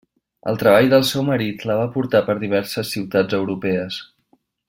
El treball del seu marit la va portar per diverses ciutats europees.